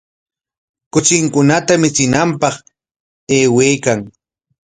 Kuchinkunata michinanpaq aywaykan.